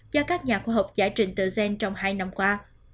do các nhà khoa học giải trình tự gen trong hai năm qua